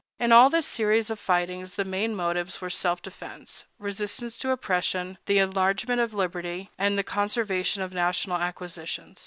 In all this series of fightings the main motives were self defense, resistance to oppression, the enlargement of liberty, and the conservation of national acquisitions.